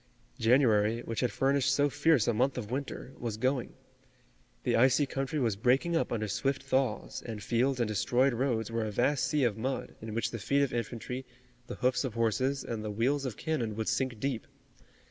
January, which had furnished so fierce a month of winter, was going. The icy country was breaking up under swift thaws, and fields and destroyed roads were a vast sea of mud in which the feet of infantry, the hoofs of horses and the wheels of cannon would sink deep.